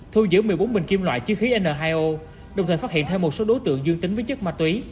thu giữ một mươi bốn bình kim loại chứa khí n hai o đồng thời phát hiện thêm một số đối tượng dương tính với chất ma túy